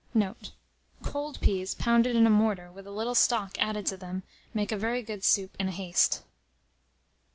Note. Cold peas pounded in a mortar, with a little stock added to them, make a very good soup in haste.